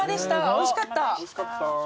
おいしかった。